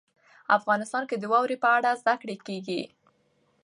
افغانستان کې د واوره په اړه زده کړه کېږي.